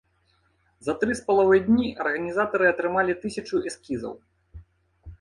За тры з паловай дні арганізатары атрымалі тысячу эскізаў.